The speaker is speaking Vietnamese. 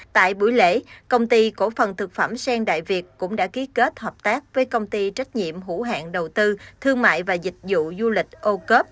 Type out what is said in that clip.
tại buổi lễ công ty cổ phần thực phẩm sen đại việt cũng đã ký kết hợp tác với công ty trách nhiệm hữu hạn đầu tư thương mại và dịch vụ du lịch âu cớp